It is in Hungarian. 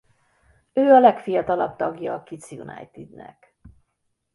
Ő a legfiatalabb tagja a Kids United-nek.